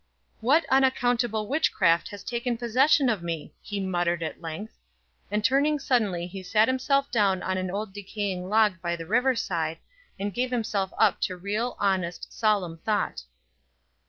"What unaccountable witchcraft has taken possession of me?" he muttered, at length. And turning suddenly he sat himself down on an old decaying log by the river side, and gave himself up to real, honest, solemn thought.